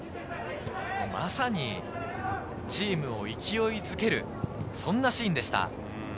まさにチームを勢いづける、そんなシーンでした。